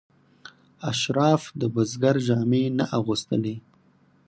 اشراف د بزګر جامې نه اغوستلې.